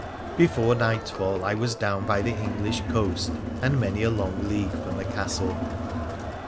Before nightfall I was down by the English coast anc many a long league from the castle.